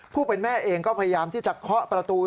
ผู้เป็นแม่เองก็พยายามที่จะเคาะประตู